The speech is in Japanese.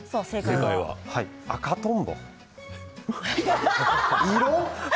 正解は赤とんぼ。